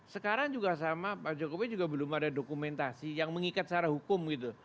sekarang juga sama pak jokowi juga belum ada dokumentasi yang mengikat secara hukum gitu